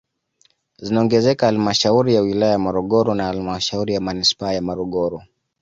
Zinaongezeka halmashauri ya wilaya ya Morogoro na halmashauri ya manispaa ya Morogoro